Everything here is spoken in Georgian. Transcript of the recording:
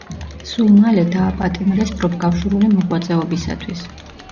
სულ მალე დააპატიმრეს პროფკავშირული მოღვაწეობისათვის.